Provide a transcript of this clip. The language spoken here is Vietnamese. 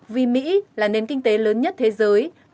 vì mỹ là nền kinh tế lớn nhất thế giới